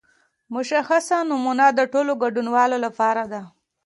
مشخصه نمونه د ټولو ګډونوالو لپاره.